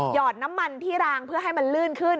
อดน้ำมันที่รางเพื่อให้มันลื่นขึ้น